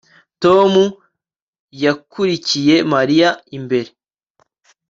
Tom yakurikiye Mariya imbere